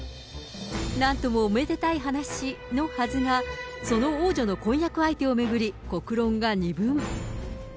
なんともおめでたい話のはずが、その王女の婚約相手を巡り、国論が二分。